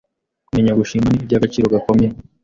Kumenya gushima ni iby’agaciro, gakomeye